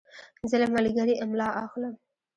زه له ملګري املا اخلم.